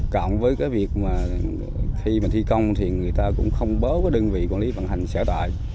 cộng với việc khi thi công người ta cũng không bớt đơn vị quản lý vận hành xã tội